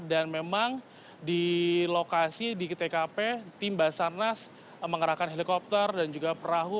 dan memang di lokasi di tkp tim basarnas mengerahkan helikopter dan juga perahu